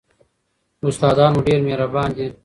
استادان مو ډېر مهربان دي.